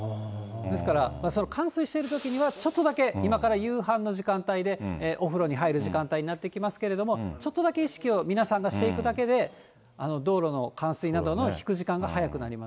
ですから、冠水しているときには、ちょっとだけ今から夕飯の時間帯で、お風呂に入る時間帯になってきますけれども、ちょっとだけ意識を皆さんがしていくだけで、道路の冠水などの引く時間が早くなります。